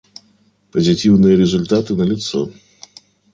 Позитивные результаты налицо.